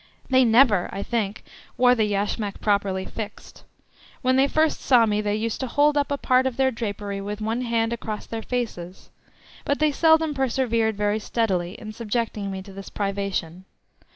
They never, I think, wore the yashmak properly fixed. When they first saw me they used to hold up a part of their drapery with one hand across their faces, but they seldom persevered very steadily in subjecting me to this privation.